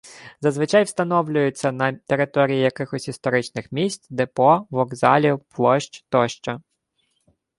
Зазвичай встановлюються на території якихось історичних місць, депо, вокзалів, площ тощо.